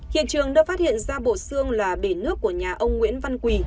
hiện trường đã phát hiện ra bộ xương là bể nước của nhà ông nguyễn văn quỳ